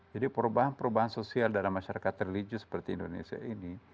jadi perubahan perubahan sosial dalam masyarakat religius seperti indonesia ini